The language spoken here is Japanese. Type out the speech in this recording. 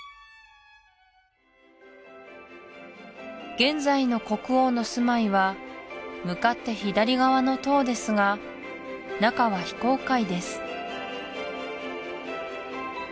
現在の国王の住まいは向かって左側の棟ですが中は非公開です